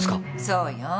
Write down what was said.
そうよん。